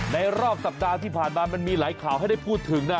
ในรอบสัปดาห์ที่ผ่านมามันมีหลายข่าวให้ได้พูดถึงนะ